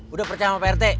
udah percaya sama pak papayete